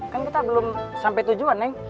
kan kita belum sampai tujuan neng